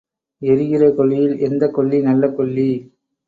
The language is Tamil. எரிகிற கொள்ளியில் எந்தக் கொள்ளி நல்ல கொள்ளி?